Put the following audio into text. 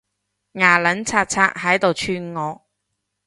牙撚擦擦喺度串我